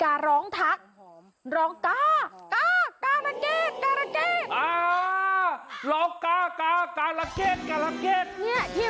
เออมันร้องไม่ได้